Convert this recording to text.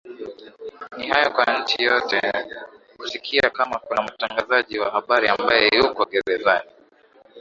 ni hayo kwa nchi yoyote kusikia kama kuna mtangazaji wa habari ambaye yuko gerezani